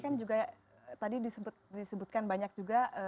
kan juga tadi disebutkan banyak juga